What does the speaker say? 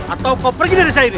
atau kau pergi dari sini